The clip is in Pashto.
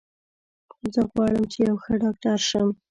زه غواړم چې یو ښه ډاکټر شم